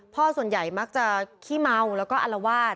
ส่วนใหญ่มักจะขี้เมาแล้วก็อลวาด